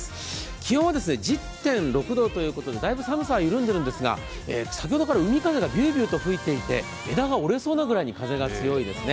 気温は１０．６度ということで、だいぶ寒さは緩んでいるんですが、先ほどから海風がビュービューと吹いていて、枝が折れそうなほどに風が強いですね。